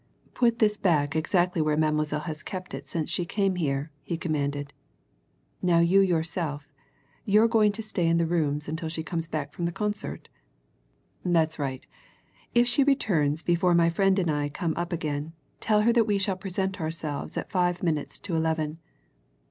"Put this back exactly where Mademoiselle has kept it since she came here," he commanded. "Now you yourself you're going to stay in the rooms until she comes back from the concert? That's right if she returns before my friend and I come up again, tell her that we shall present ourselves at five minutes to eleven.